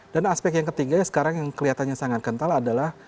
dan aspek yang ketiga sekarang yang kelihatannya sangat kental adalah